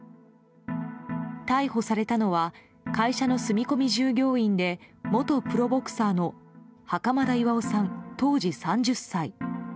逮捕されたのは会社の住み込み従業員で元プロボクサーの袴田巌さん当時３０歳。